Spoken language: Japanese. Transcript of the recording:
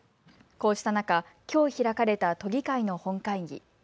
こうした中、きょう開かれた都議会の本会議。